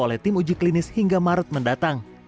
oleh tim uji klinis hingga maret mendatang